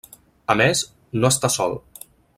A més, no està sol.